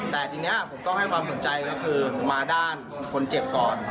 แต่ทีนี้ผมต้องให้ความสนใจก็คือมาด้านคนเจ็บก่อน